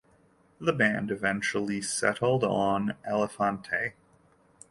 The band eventually settled on Elefante.